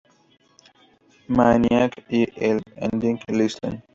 Maniac" y el ending "Listen!!